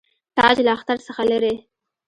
تاج له اختر څخه لري.